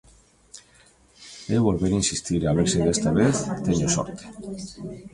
Eu volver insistir a ver se desta vez teño sorte.